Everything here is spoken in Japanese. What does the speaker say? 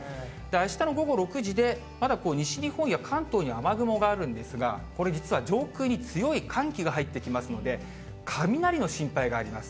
あしたの午後６時で、まだ西日本や関東に雨雲があるんですが、これ実は、上空に強い寒気が入ってきますので、雷の心配があります。